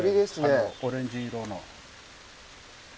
あのオレンジ色の。